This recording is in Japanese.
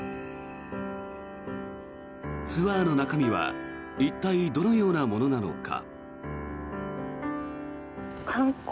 ツアーの中身は一体どのようなものなのか。